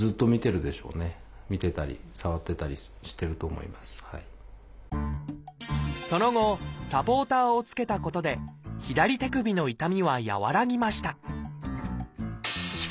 そうそれはその後サポーターを着けたことで左手首の痛みは和らぎました